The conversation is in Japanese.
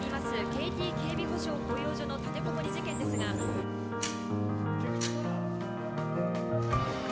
ＫＴ警備保障保養所の立てこもり事件ですが菊知さん！